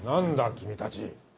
君たち。